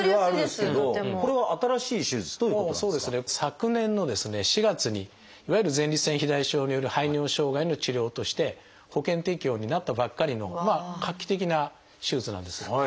昨年のですね４月にいわゆる前立腺肥大症による排尿障害の治療として保険適用になったばっかりの画期的な手術なんです。